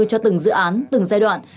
cho từng dự án từng giai đoạn